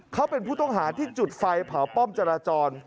เขาเป็นผู้ต้องหาที่จุดไฟเผาป้อมจราจร